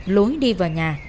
lối đi vào nhà